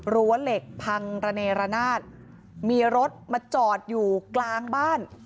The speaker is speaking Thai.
เหล็กพังระเนรนาศมีรถมาจอดอยู่กลางบ้าน